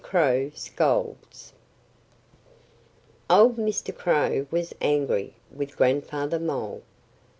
CROW SCOLDS OLD Mr. Crow was angry with Grandfather Mole.